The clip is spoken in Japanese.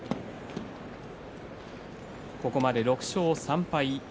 ここまで６勝３敗。